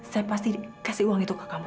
saya pasti kasih uang itu ke kamu